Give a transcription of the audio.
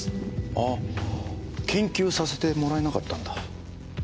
ああ研究させてもらえなかったんだ？